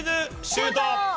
シュート！